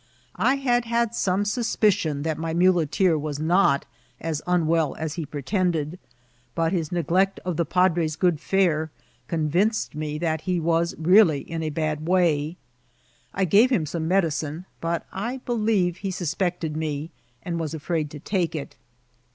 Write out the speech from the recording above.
I had had some suspicion that my muleteer was not as unwell as he j^etended ; but his A TILLAGl FITS. 177 neglect of the padre's good fare convinced me that he was Really in a bad way. I gave him some medicinei but I believe he suspected me, and was afraid to take it.